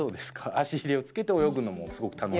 足ヒレをつけて泳ぐのもすごく楽しそう。